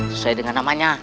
sesuai dengan namanya